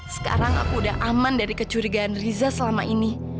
sekarang aku udah aman dari kecurigaan riza selama ini